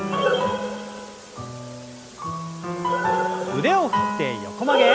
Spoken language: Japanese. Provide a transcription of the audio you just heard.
腕を振って横曲げ。